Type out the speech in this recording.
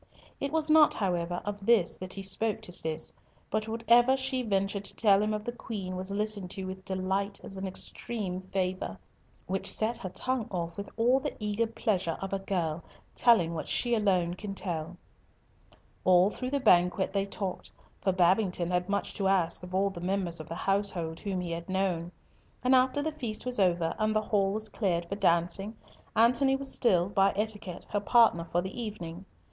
It was not, however, of this that he spoke to Cis, but whatever she ventured to tell him of the Queen was listened to with delight as an extreme favour, which set her tongue off with all the eager pleasure of a girl, telling what she alone can tell. All through the banquet they talked, for Babington had much to ask of all the members of the household whom he had known. And after the feast was over and the hall was cleared for dancing, Antony was still, by etiquette, her partner for the evening.